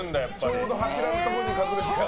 ちょうど柱のところに隠れて。